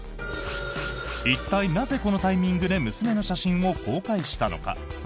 一体なぜ、このタイミングで娘の写真を公開したのか。